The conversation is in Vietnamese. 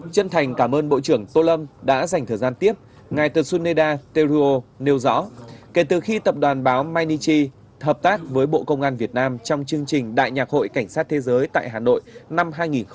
chân thành cảm ơn bộ trưởng tô lâm đã dành thời gian tiếp ngài tetsuneda teruo nêu rõ kể từ khi tập đoàn báo mainichi hợp tác với bộ công an việt nam trong chương trình đại nhạc hội cảnh sát thế giới tại hà nội năm hai nghìn một mươi một